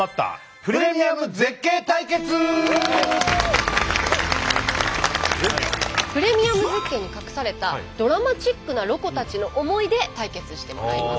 プレミアム絶景に隠されたドラマチックなロコたちの思いで対決してもらいます。